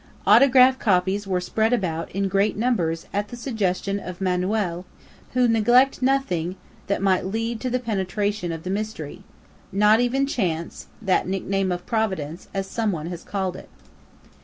Autograph copies were spread about in great numbers at the suggestion of Manoel, who neglect nothing that might lead to the penetration of the mystery not even chance, that "nickname of Providence," as some one has called it.